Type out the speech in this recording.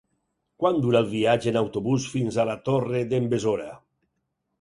Quant dura el viatge en autobús fins a la Torre d'en Besora?